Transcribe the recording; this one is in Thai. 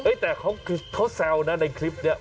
เอ๊ะแต่เขาแซวนะในคลิปเนี่ย